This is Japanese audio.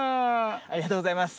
ありがとうございます！